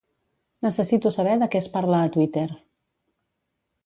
Necessito saber de què es parla a Twitter.